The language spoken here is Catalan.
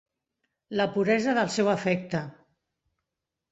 La puresa del seu afecte.